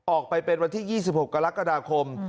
ออกไปเป็นวันที่๒๖กรกฎาคม